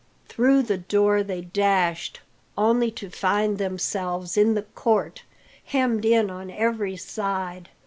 Through the door they dashed, only to find themselves in the court, hemmed in on every side.